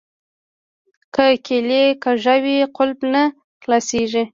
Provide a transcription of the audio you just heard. که کیلي کږه وي قلف نه خلاصیږي.